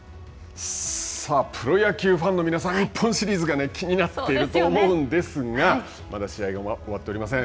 プロ野球ファンの皆さん日本シリーズが気になっていると思うんですがまだ試合が終わっておりません。